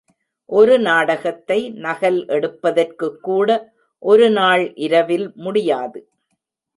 ஒரு நாடகத்தை நகல் எடுப்பதற்குக்கூட ஒருநாள் இரவில் முடியாது.